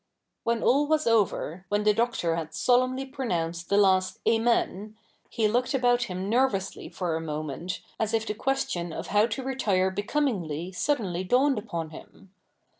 ' When all was over, when the Doctor had solemnly pronounced the last 'Amen,' he looked about him ner vously for a moment, as if the question of how to retire becomingly suddenly dawned upon him.